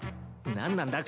何なんだ？